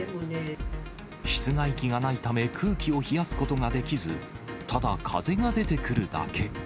室外機がないため、空気を冷やすことができず、ただ風が出てくるだけ。